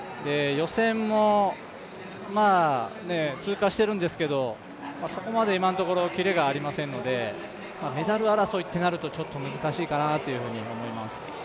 予選も通過してるんですけどそこまで今のところキレがありませんのでメダル争いとなると難しいかなと思います。